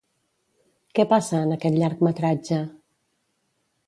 Què passa en aquest llargmetratge?